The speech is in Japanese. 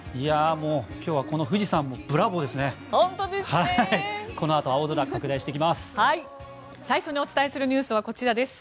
もう今日はこの富士山も本当ですね。